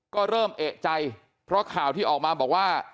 ก็เริ่มเอกใจเพราะข่าวที่ออกมาบอกว่า